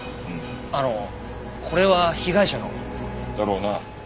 あのこれは被害者の？だろうな。